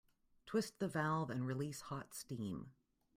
Twist the valve and release hot steam.